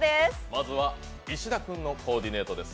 まずは石田君のコーディネートです。